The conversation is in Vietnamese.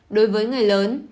đối với người lớn